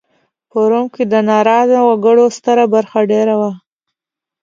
په روم کې د ناراضه وګړو ستره برخه دېره وه